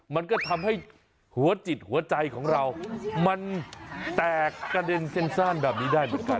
มันก็ทำให้หัวจิตหัวใจของเรามันแตกกระเด็นเซ็นซ่านแบบนี้ได้เหมือนกัน